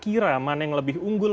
kira mana yang lebih unggul